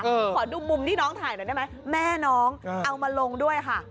ขอดูมุมที่น้องถ่ายหน่อยได้ไหมแม่น้องเอามาลงด้วยค่ะ